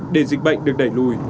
để dịch bệnh được đẩy lùi